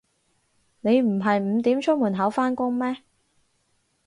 你唔係五點出門口返工咩